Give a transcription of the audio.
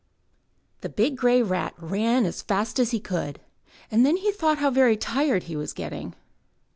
The big grey rat ran as fast as he could. Then he thought how very tired he was getting.